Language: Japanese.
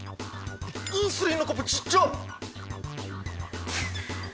インスリンのコップちっちゃ！